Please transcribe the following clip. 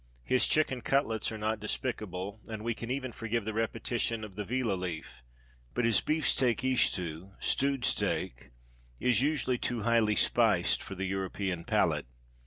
His chicken cutlets are not despicable, and we can even forgive the repetition of the vilolif but his bifisteakishtoo (stewed steak) is usually too highly spiced for the European palate.